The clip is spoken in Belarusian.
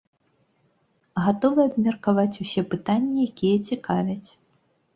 Гатовы абмеркаваць усе пытанні, якія цікавяць.